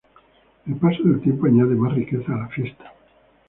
El paso del tiempo añade más riqueza a la fiesta.